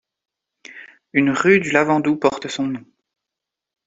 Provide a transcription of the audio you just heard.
Une rue du Lavandou porte son nom.